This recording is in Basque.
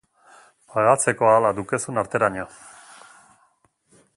Pagatzeko ahala dukezun arteraino.